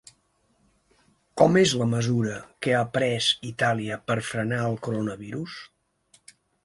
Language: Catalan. Com és la mesura que ha pres Itàlia per frenar el coronavirus?